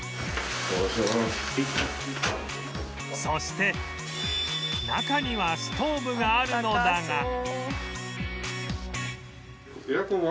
そして中にはストーブがあるのだが